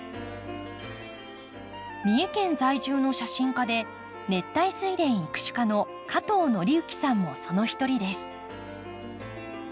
三重県在住の写真家で熱帯スイレン育種家の加藤宣幸さんもその一人です。